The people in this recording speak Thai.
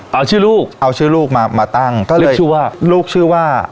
เอาชื่อลูกเอาชื่อลูกมามาตั้งก็เรียกชื่อว่าลูกชื่อว่า